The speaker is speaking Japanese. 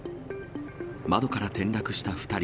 窓から転落した２人。